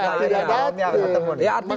tapi pada saat tidak datang